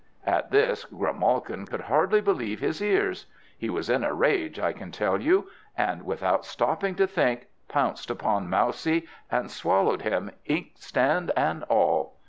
At this Grimalkin could hardly believe his ears. He was in a rage, I can tell you; and, without stopping to think, pounced upon Mousie, and swallowed him, inkstand and all.